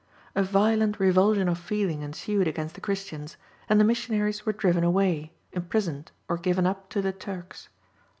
A violent revulsion of feeling ensued against the Christians, and the missionaries were driven away, imprisoned, or given up to the Turks.